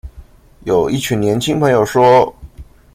有一群年輕朋友說